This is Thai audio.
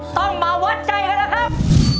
ต้องมาวัดใจกันแล้วครับ